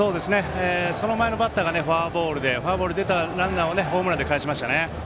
その前のバッターがフォアボールでフォアボールで出たランナーをホームランでかえしましたね。